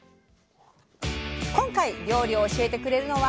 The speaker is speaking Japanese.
今回料理を教えてくれるのは？